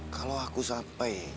kalau aku sampai